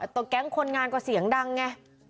ตัวแก๊งคนงานก็เสียงดังไง